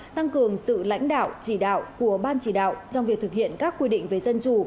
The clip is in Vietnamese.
tăng cường sự lãnh đạo chỉ đạo của ban chỉ đạo trong việc thực hiện các quy định về dân chủ